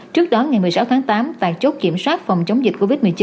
trước đó ngày một mươi sáu tháng tám tại chốt kiểm soát phòng chống dịch covid một mươi chín